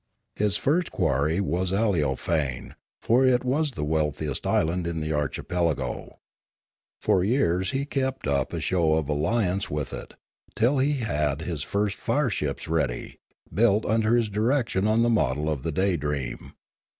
His first quarry was Aleofane; for it was the wealth iest island in the archipelago. For years he kept up a show of alliance with it, till he had his fire ships ready, built under his direction on the model of the Daydream.